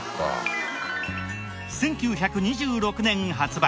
１９２６年発売。